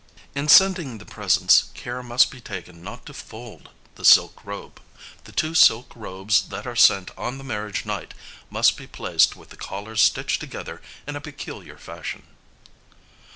In sending the presents care must be taken not to fold the silk robe. The two silk robes that are sent on the marriage night must be placed with the collars stitched together in a peculiar fashion.